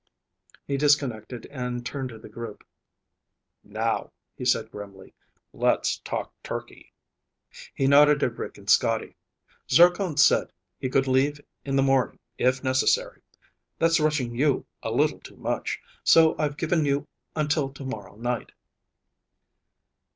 He disconnected and turned to the group. "Now," he said grimly, "let's talk turkey." He nodded at Rick and Scotty. "Zircon said he could leave in the morning, if necessary. That's rushing you a little too much. So I've given you until tomorrow night."